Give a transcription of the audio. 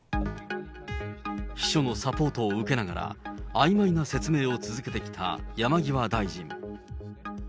秘書のサポートを受けながら、あいまいな説明を続けてきた山際大臣。